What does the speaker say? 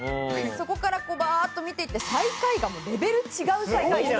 そこからバーッと見ていって最下位がもうレベル違う最下位です。